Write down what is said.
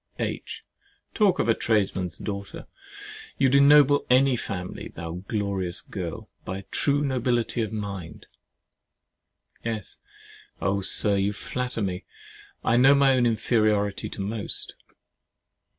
H. Talk of a tradesman's daughter! you would ennoble any family, thou glorious girl, by true nobility of mind. S. Oh! Sir, you flatter me. I know my own inferiority to most.